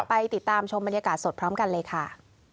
ไปติดตามชมบรรยากาศสดพร้อมกันเลยค่ะ